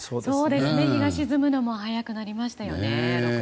日が沈むのも早くなりましたよね。